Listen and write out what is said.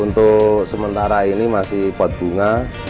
untuk sementara ini masih pot bunga